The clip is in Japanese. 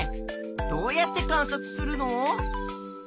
どうやって観察するの？